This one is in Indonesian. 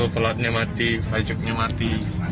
pelotnya mati bajuknya mati